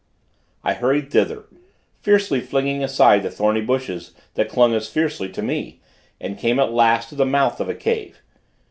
I hurried thither, fiercely flinging aside the thorny bushes that clung as fiercely to me, and came at last to the mouth of a cave.